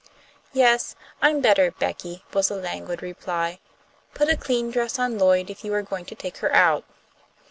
"Yes, I'm better, Becky," was the languid reply. "Put a clean dress on Lloyd if you are going to take her out."